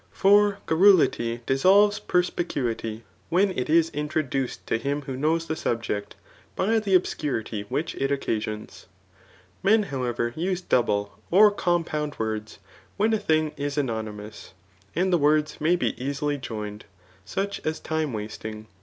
For garrulity dissolves perspicuity, when it is introduced to him who knows th^ subject, by the obscurity which it occasions* Men, lu>w. ever, use double, or compound words, when a thing is anonymous, and the words may be easily joined, such as time casting.